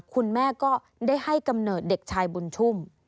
คุณแม่ก็ได้ให้กำเนิดเด็กชายบุญชุ่ม